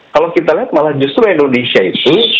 kalau kita lihat malah justru indonesia itu